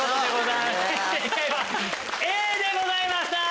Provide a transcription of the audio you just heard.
正解はＡでございました。